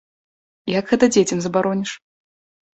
Як гэта дзецям забароніш?